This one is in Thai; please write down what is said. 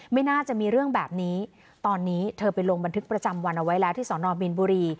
ไม่น่าจะมีเรื่องแบบนี้ตอนนี้เธอไปลงบันทึกประจำวันเอาไว้แล้วที่สอนอบินบุรี